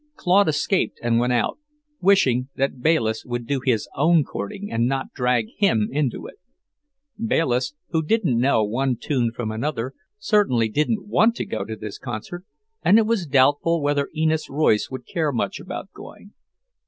Claude escaped and went out, wishing that Bayliss would do his own courting and not drag him into it. Bayliss, who didn't know one tune from another, certainly didn't want to go to this concert, and it was doubtful whether Enid Royce would care much about going.